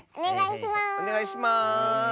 おねがいします！